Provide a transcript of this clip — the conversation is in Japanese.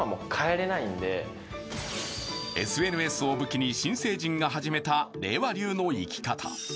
ＳＮＳを武器に新成人が始めた令和流の生き方。